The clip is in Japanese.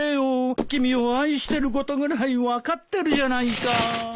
君を愛してることぐらい分かってるじゃないか。